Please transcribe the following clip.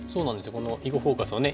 この「囲碁フォーカス」をね